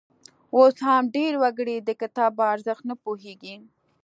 اوس هم ډېر وګړي د کتاب په ارزښت نه پوهیږي.